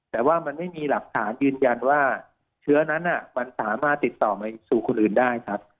แต่ว่ามันไม่มีหลักฐานยืนยันว่าเชื้อนั้นมันสามารถติดต่อไปสู่คนอื่นได้ครับ